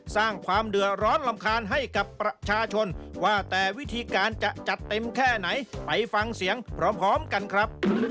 สร้างความเดือดร้อนรำคาญให้กับประชาชนว่าแต่วิธีการจะจัดเต็มแค่ไหนไปฟังเสียงพร้อมกันครับ